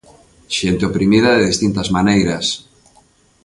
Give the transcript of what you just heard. Xente oprimida de distintas maneiras.